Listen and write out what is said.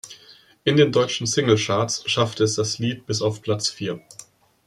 In den deutschen Singlecharts schaffte es das Lied bis auf Platz vier.